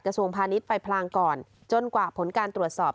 กระทรวงพาณิชย์ไปพลางก่อนจนกว่าผลการตรวจสอบ